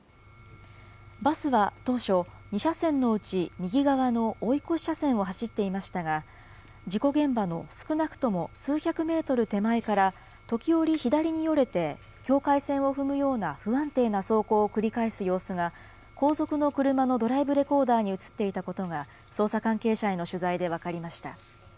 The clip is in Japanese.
バスは当初、２車線のうち右側の追い越し車線を走っていましたが、事故現場の少なくとも数百メートル手前から時折左によれて境界線を踏むような不安定な走行を繰り返す様子が、後続の車のドライブレコーダーに写っていたことが捜査関係者への取材で分かりました。